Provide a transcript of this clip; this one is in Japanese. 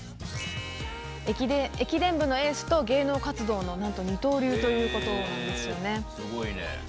駅伝部のエースと芸能活動の何と二刀流ということなんですよね。